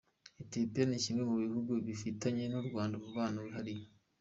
Ethiopia ni kimwe mu bihugu bifitanye n’u Rwanda umubano wihariye.